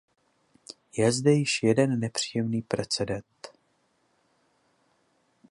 Je zde již jeden nepříjemný precedent.